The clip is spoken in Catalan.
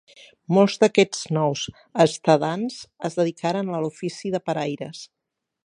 Molts d'aquests nous estadants es dedicaren a l'ofici de paraires.